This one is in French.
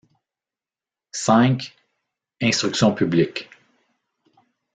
V - Instruction publique.